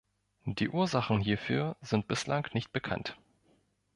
Die Ursachen hierfür sind bislang nicht bekannt.